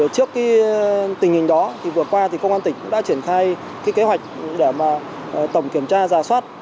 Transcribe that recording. trước tình hình đó vừa qua công an tỉnh đã triển khai kế hoạch tổng kiểm tra giả soát